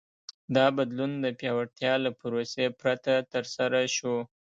دا بدلون د پیاوړتیا له پروسې پرته ترسره شو.